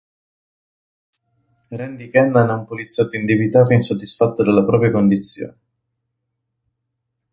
Randy Kennan è un poliziotto indebitato e insoddisfatto della propria condizione.